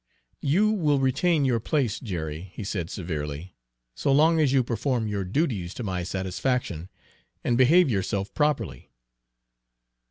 "You will retain your place, Jerry," he said severely, "so long as you perform your duties to my satisfaction and behave yourself properly."